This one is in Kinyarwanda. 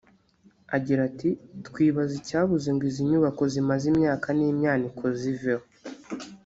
Agira ati “Twibaza icyabuze ngo izi nyubako zimaze imyaka n’imyaniko ziveho